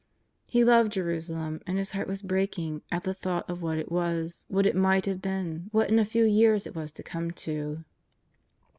He loved Ji^rusalem, and His heart was breaking at the thought 320 JESUS OF NAZAEETH. of what it was, what it might have been, what in a feTV years it was to come to.